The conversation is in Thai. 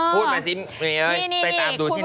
พูดมาซิเอ้ยไปตามดูที่ไหน